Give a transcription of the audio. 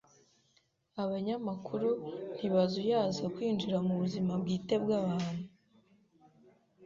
Abanyamakuru ntibazuyaza kwinjira mu buzima bwite bwabantu.